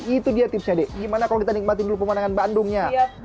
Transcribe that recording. itu dia tipsnya deh gimana kalau kita nikmatin dulu pemandangan bandungnya